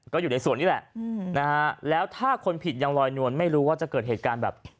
ก็อยู่ในส่วนนี้แหละนะฮะแล้วถ้าคนผิดยังลอยนวลไม่รู้ว่าจะเกิดเหตุการณ์แบบ